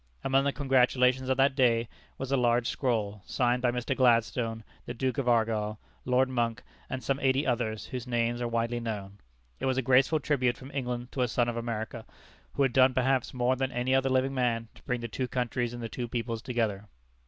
Among the congratulations of that day was a large scroll, signed by Mr. Gladstone, the Duke of Argyll, Lord Monck, and some eighty others whose names are widely known. It was a graceful tribute from England to a son of America, who had done perhaps more than any other living man to bring the two countries and the two peoples together.